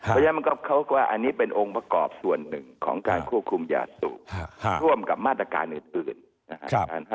เพราะฉะนั้นเขาก็อันนี้เป็นองค์ประกอบส่วนหนึ่งของการควบคุมยาสูบร่วมกับมาตรการอื่นนะครับ